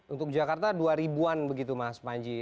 untuk jakarta dua ribu an begitu mas panji